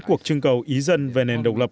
cuộc chưng cầu ý dân về nền độc lập